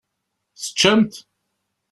Teččamt?